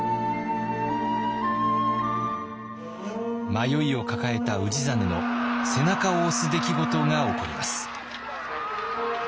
迷いを抱えた氏真の背中を押す出来事が起こります。